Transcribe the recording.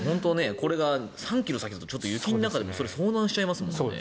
これが３ｋｍ先だと雪の中でも遭難しますもんね。